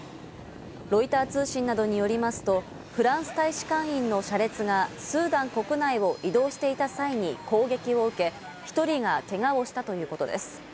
ロイター通信などによりますとフランス大使館員の車列がスーダン国内を移動していた際に攻撃を受け、１人がけがをしたということです。